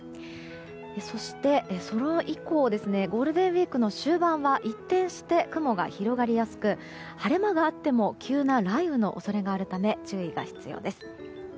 そして、それ以降ゴールデンウィークの終盤は一転して、雲が広がりやすく晴れ間があっても急な雷雨の恐れがあるため注意が必要です。